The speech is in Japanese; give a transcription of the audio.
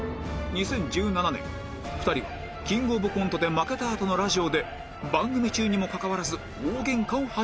２０１７年２人はキングオブコントで負けたあとのラジオで番組中にもかかわらず大げんかを始めちゃったんです